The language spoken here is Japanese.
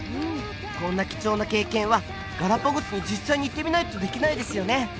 こんな貴重な経験はガラパゴスに実際に行ってみないとできないですよね